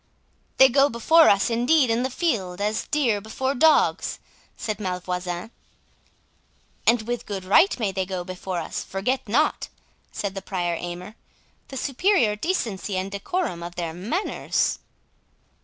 "They go before us indeed in the field—as deer before dogs," said Malvoisin. "And with good right may they go before us—forget not," said the Prior Aymer, "the superior decency and decorum of their manners."